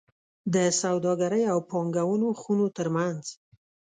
د سوداګرۍ او پانګونو خونو ترمنځ